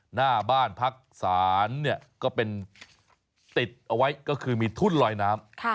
หน้าบ้านพักศาลเนี่ยก็เป็นติดเอาไว้ก็คือมีทุ่นลอยน้ำ